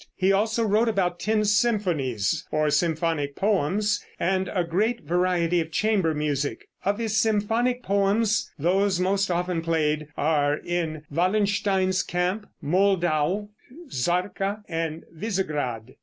He also wrote about ten symphonies or symphonic poems, and a great variety of chamber music. Of his symphonic poems those most often played are: "In Wallenstein's Camp," "Moldau," "Sarka" and "Visegrad."